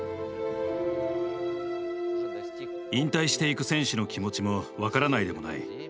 引退していく選手の気持ちも分からないでもない。